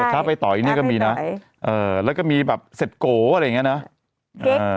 ถ้าไปต่อยนี่ก็มีนะแล้วก็มีแบบเสร็จโกอะไรอย่างเงี้นะ